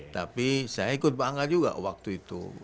tapi saya ikut pak angga juga waktu itu